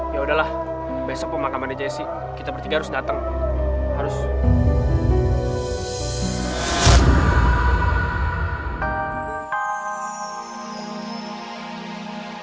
yaudahlah besok pemakamannya jessi kita bertiga harus dateng